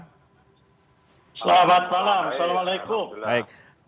selamat malam assalamualaikum